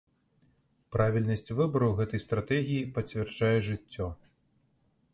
Правільнасць выбару гэтай стратэгіі пацвярджае жыццё.